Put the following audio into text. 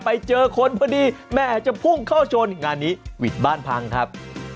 ไปเจอคนพอดีแม่จะพุ่งเข้าชนงานนี้หวิดบ้านพังครับ